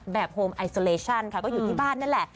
โฮมไอโซเลชั่นค่ะก็อยู่ที่บ้านนั่นแหละ